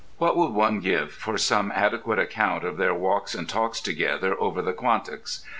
What one would give for some adequate account of their walks and talks together over the Quantocks.